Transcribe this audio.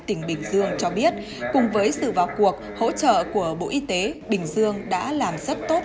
tỉnh bình dương cho biết cùng với sự vào cuộc hỗ trợ của bộ y tế bình dương đã làm rất tốt